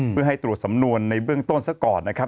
เพื่อให้ตรวจสำนวนในเบื้องต้นซะก่อนนะครับ